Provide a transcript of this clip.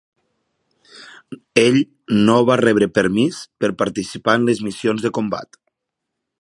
Ell no va rebre permís per participar en les missions de combat.